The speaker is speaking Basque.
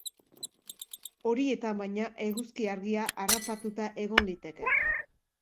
Horietan, baina, eguzki argia harrapatuta egon liteke.